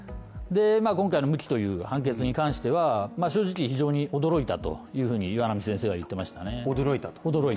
今回の無期という判決に関しては、正直非常に驚いたというふうに岩波先生が言ってましたね。